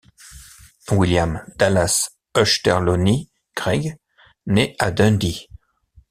William Dallas Ochterlony Greig naît à Dundee.